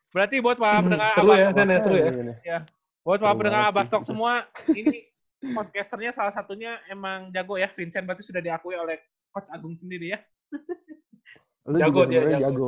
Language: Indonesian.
berarti buat mendengar abah stok semua ini podcasternya salah satunya emang jago ya vincent berarti sudah diakui oleh coach agung sendiri ya